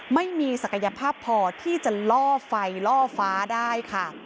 ไม่มีศักยภาพพอที่จะล่อไฟล่อฟ้าได้ค่ะ